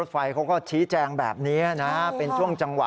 แปลงแบบนี้นะเป็นช่วงจังหวะ